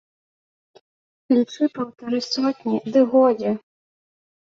Лічы паўтары сотні, ды годзе!